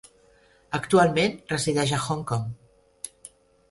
Actualment resideix a Hong Kong.